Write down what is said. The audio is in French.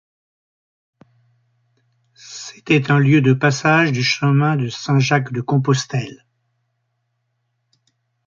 C'était un lieu de passage du chemin de Saint-Jacques-de-Compostelle.